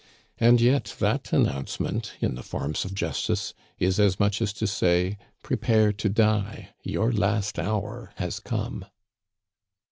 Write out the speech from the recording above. And yet that announcement, in the forms of justice, is a much as to say, "Prepare to die; your last hour has come."